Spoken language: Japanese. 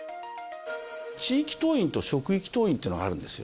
地域党員と職員党員というのがあるんですよ。